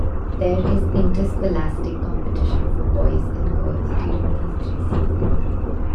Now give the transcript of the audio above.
There is interscholastic competition for boys and girls during these three seasons.